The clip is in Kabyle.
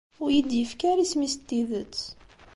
Ur yi-d-ifki ara isem-is n tidet.